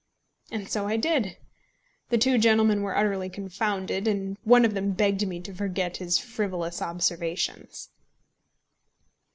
And so I did. The two gentlemen were utterly confounded, and one of them begged me to forget his frivolous observations.